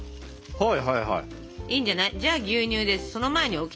はい。